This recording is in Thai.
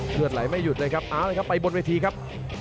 เลือดไหลไม่หยุดเลยครับเอาละครับไปบนเวทีครับ